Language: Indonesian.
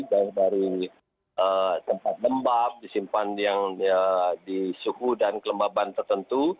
dari tempat lembab disimpan yang di suhu dan kelembaban tertentu